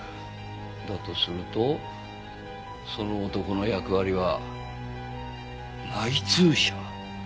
だとするとその男の役割は内通者。